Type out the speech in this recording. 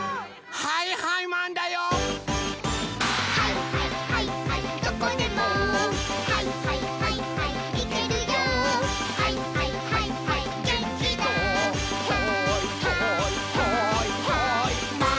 「はいはいはいはいマン」